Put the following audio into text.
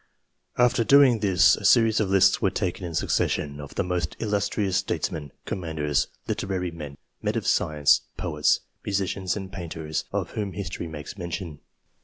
After doing this, a series of lists were taken in suc cession, of the most illustrious statesmen, commanders, literary men, men of science, poets, musicians, and painters, of whom history makes mention.